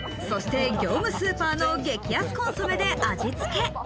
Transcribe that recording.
そして業務スーパーの激安コンソメで味つけ。